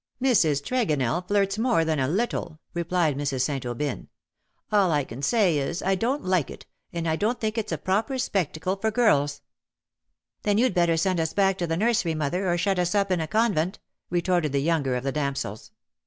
^'" Mrs. Tregonell flirts more than a little,^' replied Mrs. St. Aubyn. '' All I can say is, I don't like it, and I don't think it's a proper spectacle for girls.'' " Then you'd better send us back to the nursery, mother, or shut us up in a convent," retorted the younger of the damsels.